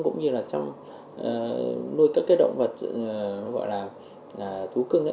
cũng như là trong nuôi các cái động vật gọi là thú cưng ấy